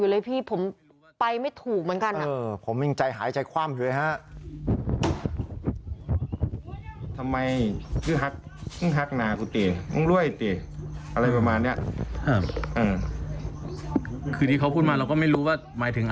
ลูกน้องเรียกมาไกล่เกลี่ยหนึ่งรอบเป็นลูกน้อง